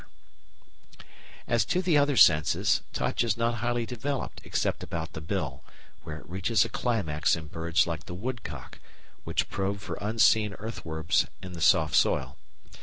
] As to the other senses, touch is not highly developed except about the bill, where it reaches a climax in birds like the wood cock, which probe for unseen earthworms in the soft soil.